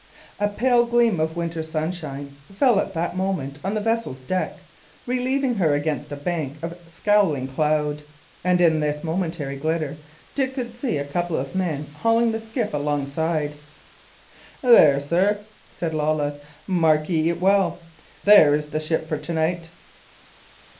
A pale gleam of winter sunshine fell, at that moment, on the vessel's deck, relieving her against a bank of scowling cloud; and in this momentary glitter Dick could see a couple of men hauling the skiff alongside. "There, sir," said Lawless, "mark ye it well! There is the ship for to night."